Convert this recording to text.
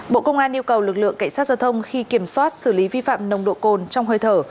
bộ công an yêu cầu lực lượng cảnh sát giao thông khi kiểm soát xử lý vi phạm nồng độ cồn trong hơi thở